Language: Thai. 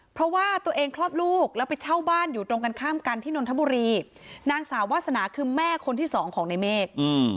เพราะว่าตัวเองคลอดลูกแล้วไปเช่าบ้านอยู่ตรงกันข้ามกันที่นนทบุรีนางสาววาสนาคือแม่คนที่สองของในเมฆ